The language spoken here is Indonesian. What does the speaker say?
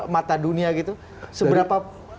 mata dunia gitu seberapa